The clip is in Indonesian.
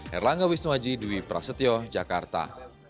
herlange wisnuwaji dewi prasetyo jakarta